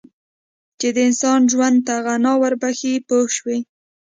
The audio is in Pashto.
چې د انسان ژوند ته غنا ور بخښي پوه شوې!.